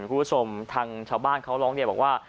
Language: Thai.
คุณผู้ชมทางชาวบ้านเขาร้องเรียนบอกว่า